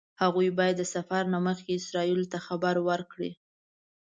هغوی باید د سفر نه مخکې اسرائیلو ته خبر ورکړي.